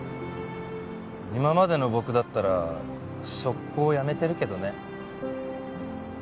今までの僕だったら即行辞めてるけどね。